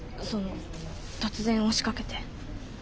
その突然押しかけて。